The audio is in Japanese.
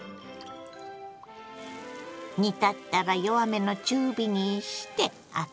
煮立ったら弱めの中火にしてアクを除き。